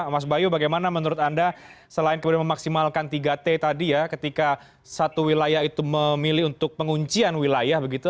mas bayu bagaimana menurut anda selain kemudian memaksimalkan tiga t tadi ya ketika satu wilayah itu memilih untuk penguncian wilayah begitu